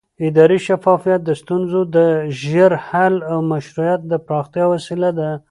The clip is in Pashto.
اداري شفافیت د ستونزو د ژر حل او مشروعیت د پراختیا وسیله ده